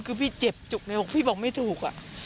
คือพี่เจ็บจุกในอกพี่บอกไม่ถูก